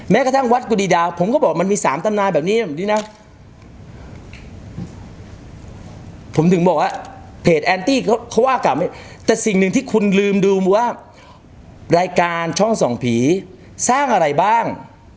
กระทั่งวัดกุฎีดาผมก็บอกมันมีสามตำนานแบบนี้แบบนี้นะผมถึงบอกว่าเพจแอนตี้เขาว่ากลับแต่สิ่งหนึ่งที่คุณลืมดูว่ารายการช่องส่องผีสร้างอะไรบ้าง